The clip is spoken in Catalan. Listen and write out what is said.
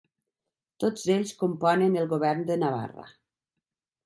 Tots ells componen el Govern de Navarra.